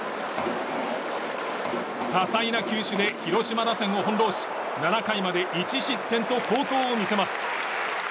多彩な球種で広島打線を翻弄し７回まで１失点と好投を見せます。